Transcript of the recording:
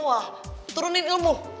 wah turunin ilmu